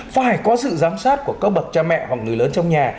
phải có sự giám sát của các bậc cha mẹ và người lớn trong nhà